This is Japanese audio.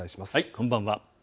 こんばんは。